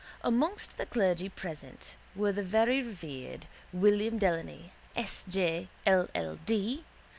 Amongst the clergy present were the very rev. William Delany, S. J., L. L. D.